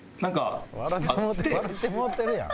笑ってもうてるやん。